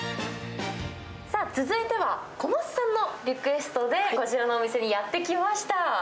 続いては小松さんのリクエストで、こちらのお店にやって来ました